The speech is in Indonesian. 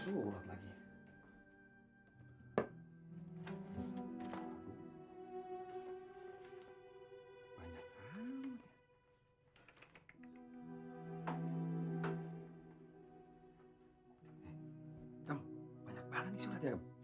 kamu banyak banget nih suratnya